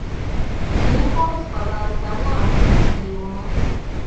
ނީތާ ވެސް ބަލައިލީ ދަންނަ އަޑެއްހެން ހީވުމުން